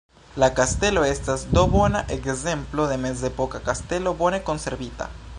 La kastelo estas do bona ekzemplo de mezepoka kastelo bone konservita.